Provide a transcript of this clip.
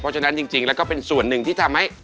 เพราะฉะนั้นจริงแล้วก็เป็นส่วนหนึ่งที่ทำให้